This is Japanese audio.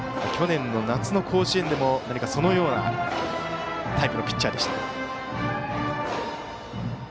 去年夏の甲子園でもそのようなタイプのピッチャーでした。